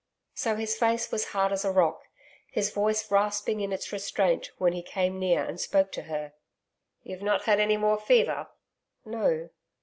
So his face was hard as a rock, his voice rasping in its restraint, when he came near and spoke to her. 'You have not had any more fever?' 'No.'